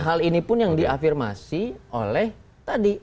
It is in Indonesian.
hal ini pun yang diafirmasi oleh tadi